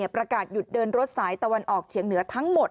ประกาศหยุดเดินรถสายตะวันออกเฉียงเหนือทั้งหมด